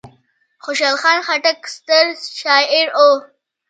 خوشحال خان خټک ستر شاعر و.